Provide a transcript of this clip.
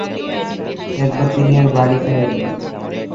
এরপর তিনি আর বাড়ি ফেরেননি।